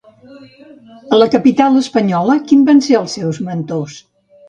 A la capital espanyola, qui van ser els seus mentors?